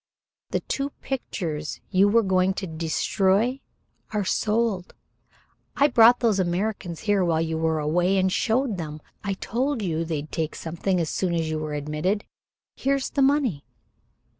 The two pictures you were going to destroy are sold. I brought those Americans here while you were away and showed them. I told you they'd take something as soon as you were admitted. Here's the money."